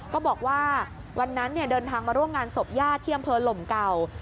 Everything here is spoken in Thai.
ก็บอกว่าวันนั้นเดินทางมาร่วมงานศพญาติที่อำเภอหลมเก่า